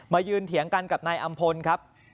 ยืนเถียงกันกับนายอำพลครับ